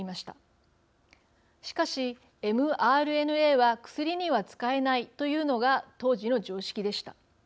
しかしｍＲＮＡは薬には使えないというのが当時の常識でした。